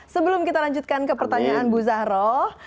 sebelum kita lanjutkan ke pertanyaan bu zahroh